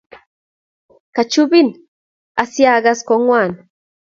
kachubin asiagas kong'wan.